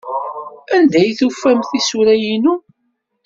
Anda ay tufamt tisura-inu?